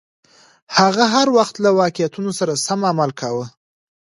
هغه هر وخت له واقعیتونو سره سم عمل کاوه.